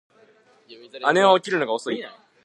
姉は起きるのが遅い